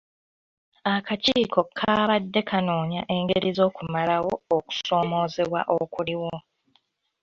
Akakiiko kaabadde kanoonya engeri z'okumalawo okusoomoozebwa okuliwo.